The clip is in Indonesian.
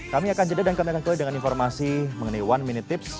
kami akan jeda dan kami akan kembali dengan informasi mengenai one minute tips